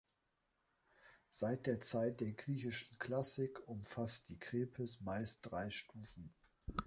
Seit der Zeit der griechischen Klassik umfasst die Krepis meist drei Stufen.